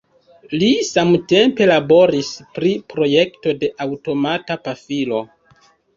Li samtempe laboris pri projekto de aŭtomata pafilo.